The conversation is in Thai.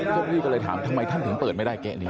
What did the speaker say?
เจ้าหน้าที่ก็เลยถามทำไมท่านถึงเปิดไม่ได้เก๊ะนี้